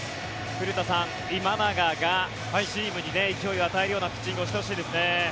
古田さん、今永がチームに勢いを与えるようなピッチングをしてほしいですね。